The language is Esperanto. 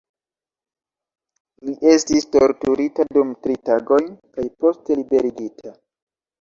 Li estis torturita dum tri tagoj kaj poste liberigita.